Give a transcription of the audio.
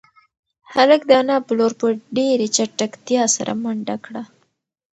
هلک د انا په لور په ډېرې چټکتیا سره منډه کړه.